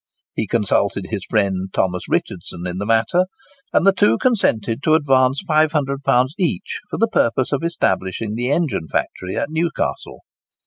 He consulted his friend Thomas Richardson in the matter; and the two consented to advance £500 each for the purpose of establishing the engine factory at Newcastle.